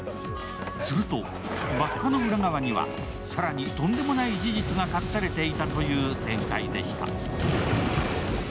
すると、爆破の裏側には更にとんでもない事実が隠されていたという展開でした。